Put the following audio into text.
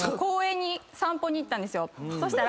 そしたら。